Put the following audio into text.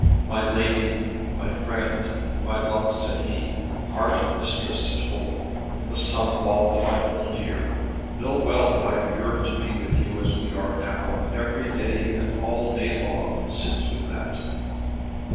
"My lady, my friend, my love," said he, "heart and mistress and hope, and the sum of all that I hold dear, know well that I have yearned to be with you as we are now, every day and all day long since we met."